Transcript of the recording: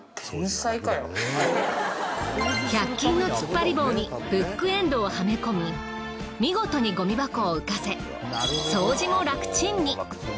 １００均のつっぱり棒にブックエンドをはめ込み見事にゴミ箱を浮かせ。